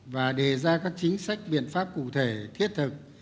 và đề ra các chính sách biện pháp cụ thể thiết thực